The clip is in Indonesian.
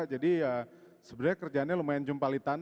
jadi ya sebenarnya kerjaannya lumayan jumpalitan